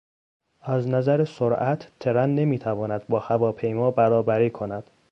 از نظر سرعت ترن نمیتواند با هواپیما برابری کند.